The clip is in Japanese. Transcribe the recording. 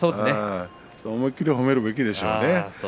思い切りを褒めるべきでしょうね。